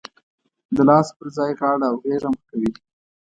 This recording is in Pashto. د لاس پر ځای غاړه او غېږ هم ورکوي.